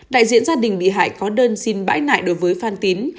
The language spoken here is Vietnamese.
đại diện gia đình bị hại có đơn xin bãi nại đối với phan tín